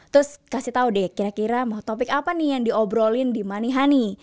terus kasih tau deh kira kira mau topik apa nih yang diobrolin di manihani